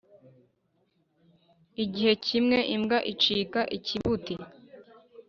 Igihe kimwe imbwa icika ikibuti